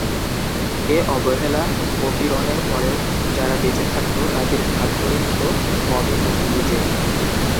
এ অবহেলা ও পীড়নের পরেও যারা বেঁচে থাকত তাদেরকে ভাগ করে নিত মগে-পর্তুগীজে।